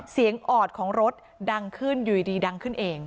ออดของรถดังขึ้นอยู่ดีดังขึ้นเอง